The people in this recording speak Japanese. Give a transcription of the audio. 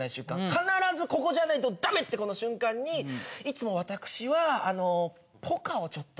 必ずここじゃないとダメってこの瞬間にいつも私はあのポカをちょっと。